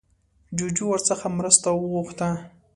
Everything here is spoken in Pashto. جوجو ورڅخه مرسته وغوښته